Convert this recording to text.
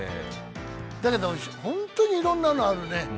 だけど、本当にいろんなのあるね。